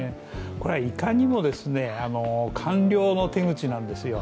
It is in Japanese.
これはいかにも官僚の手口なんですよ。